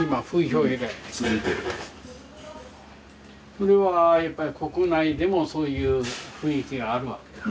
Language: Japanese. それはやっぱり国内でもそういう雰囲気があるわけですか。